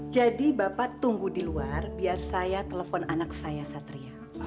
jadi bapak tunggu di luar biar saya telepon anak saya satria